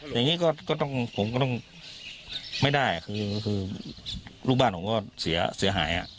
อย่างงี้ก็ก็ต้องผมก็ต้องไม่ได้คือคือลูกบ้านผมก็เสียเสียหายอ่ะ